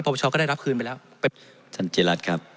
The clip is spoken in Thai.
ประวัติศาสตร์ก็ได้รับคืนไปแล้วท่านจิรัติครับ